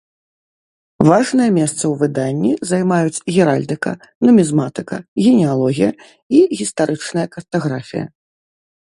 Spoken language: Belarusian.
Важнае месца ў выданні займаюць геральдыка, нумізматыка, генеалогія і гістарычная картаграфія.